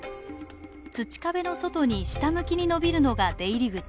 土壁の外に下向きにのびるのが出入り口。